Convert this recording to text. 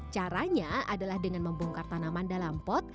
caranya adalah dengan membongkar tanaman dalam pot